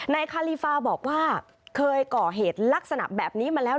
นายคาลีฟาบอกว่าเคยก่อเหตุลักษณะแบบนี้มาแล้ว